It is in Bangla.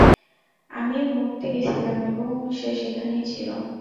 আমি মুত তে গেছিলাম এবং সে সেখানেই ছিল।